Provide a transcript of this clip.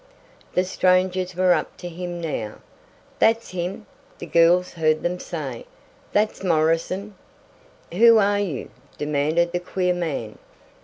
The strangers were up to him now. "That's him!" the girls heard them say. "That's Morrison." "Who are you?" demanded the queer man.